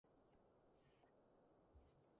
面斥不雅